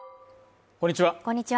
こんにちは